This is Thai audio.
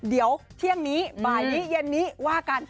เดี๋ยวเที่ยงนี้บ่ายนี้เย็นนี้ว่ากัน